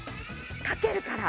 かけるから。